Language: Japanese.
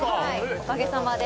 おかげさまで。